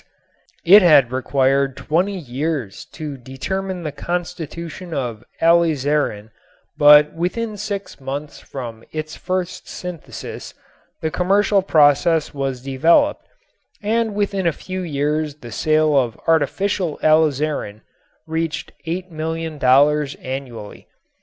It had required twenty years to determine the constitution of alizarin, but within six months from its first synthesis the commercial process was developed and within a few years the sale of artificial alizarin reached $8,000,000 annually.